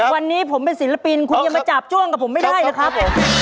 วันนี้ผมเป็นศิลปินคุณยังมาจาบจ้วงกับผมไม่ได้นะครับ